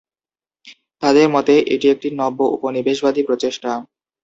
তাদের মতে, এটি একটি নব্য-উপনিবেশবাদী প্রচেষ্টা।